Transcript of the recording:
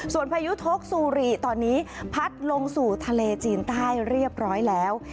ส่วนพายุทกซูริตอนนี้พัดลงสู่ทะเลจีนใต้เรียบร้อยแล้ว